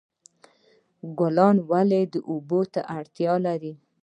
ګلان ولې اوبو ته اړتیا لري؟